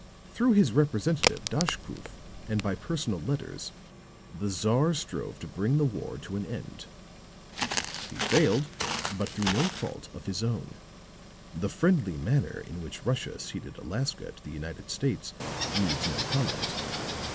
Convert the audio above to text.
Through his representative, Daschkoof, and by personal letters, the Czar strove to bring the war to an end; he failed, but through no fault of his own. The friendly manner in which Russia ceded Alaska to the United States needs no comment.